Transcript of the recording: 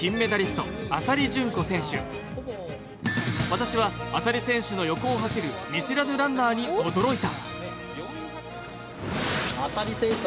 私は浅利選手の横を走る見知らぬランナーに驚いた。